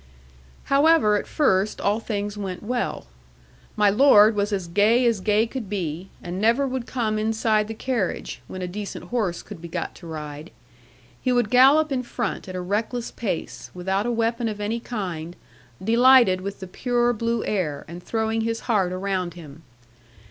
'However, at first all things went well. My Lord was as gay as gay could be: and never would come inside the carriage, when a decent horse could be got to ride. He would gallop in front, at a reckless pace, without a weapon of any kind, delighted with the pure blue air, and throwing his heart around him.